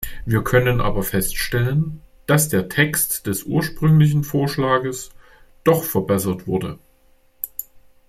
Wir können aber feststellen, dass der Text des ursprünglichen Vorschlages doch verbessert wurde.